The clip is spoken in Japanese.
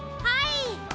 はい。